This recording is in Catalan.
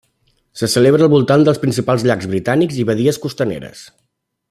Se celebra al voltant dels principals llacs britànics i badies costaneres.